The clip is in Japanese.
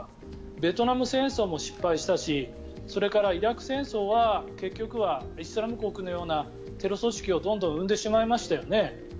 ベトナム戦争も失敗したしそれからイラク戦争は結局はイスラム国のようなテロ組織をどんどん生んでしまいましたよね。